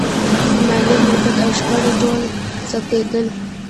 مالیه، ملکیت او شخړې ټول ثبتېدل.